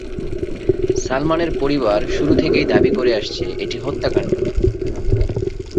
সালমানের পরিবার শুরু থেকেই দাবি করে আসছে, এটি হত্যাকাণ্ড।